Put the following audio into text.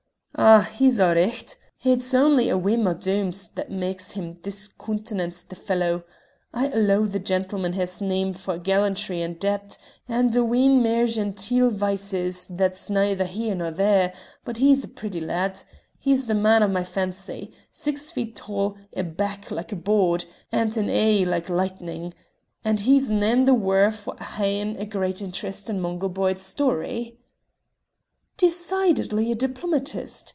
"Oh! he's a' richt! It's only a whim o' Doom's that mak's him discoontenance the fellow. I'll allow the gentleman has a name for gallantry and debt, and a wheen mair genteel vices that's neither here nor there, but he's a pretty lad. He's the man for my fancy six feet tall, a back like a board, and an e'e like lightning. And he's nane the waur o' ha'in' a great interest in Mungo Byde's storie." "Decidedly a diplomatist!"